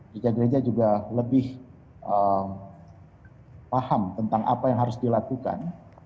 gereja gereja juga lebih paham tentang apa yang harus dilakukan